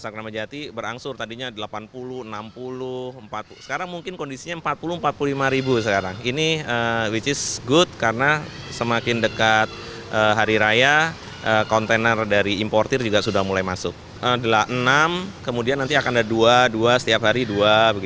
kemudian nanti akan ada dua dua setiap hari dua